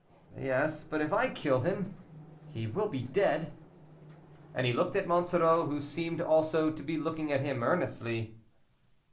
Yes, but if I kill him he will be dead." And he looked at Monsoreau, who seemed also to be looking at him earnestly.